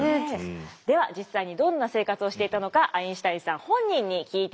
では実際にどんな生活をしていたのかアインシュタインさん本人に聞いていただきます。